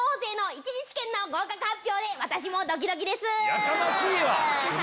やかましいわ！